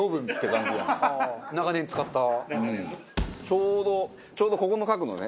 ちょうどちょうどここの角度ね。